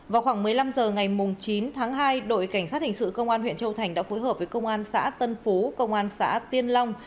vào khoảng một mươi năm h ngày chín tháng hai đội cảnh sát hình sự công an huyện châu thành đã phối hợp với công an xã tân phú công an xã tiên long